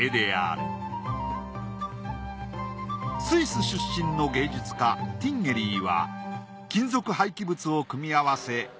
スイス出身の芸術家ティンゲリーは金属廃棄物を組み合わせ